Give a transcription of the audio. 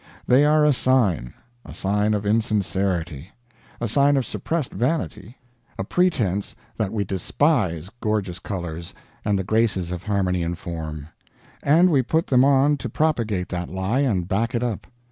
They are a sign; a sign of insincerity; a sign of suppressed vanity; a pretense that we despise gorgeous colors and the graces of harmony and form; and we put them on to propagate that lie and back it up.